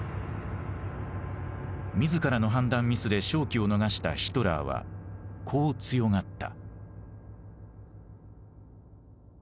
自らの判断ミスで勝機を逃したヒトラーはこう強がった。